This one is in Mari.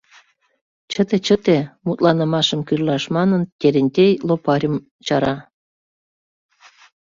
— Чыте, чыте, — мутланымашым кӱрлаш манын, Терентей Лопарьым чара.